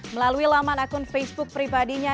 melalui laman akun facebook pribadinya